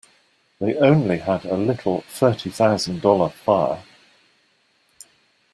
They only had a little thirty thousand dollar fire.